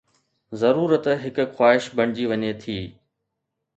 ضرورت هڪ خواهش بڻجي وڃي ٿي.